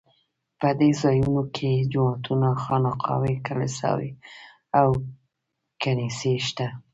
په دې ځایونو کې جوماتونه، خانقاوې، کلیساوې او کنیسې شته.